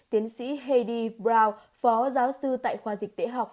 tiến sĩ heidi brown phó giáo sư tại khoa dịch tễ học